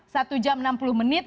satu jam enam puluh menit